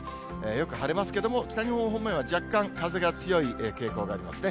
よく晴れますけれども、北日本方面は若干風が強い傾向がありますね。